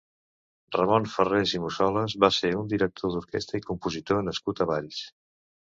Ramon Ferrés i Musolas va ser un director d'orquestra i compositor nascut a Valls.